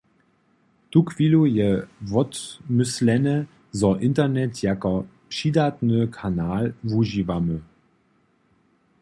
Tuchwilu je wotmyslene, zo internet jako přidatny kanal wužiwamy.